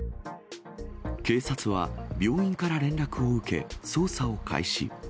警察は病院から連絡を受け、捜査を開始。